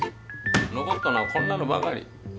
残ったのはこんなのばかり。